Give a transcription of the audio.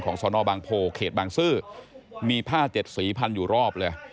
สนบางโพเขตบางซื่อมีผ้าเจ็ดสีพันอยู่รอบเลย